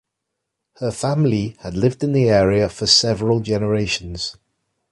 Her family had lived in the area for several generations.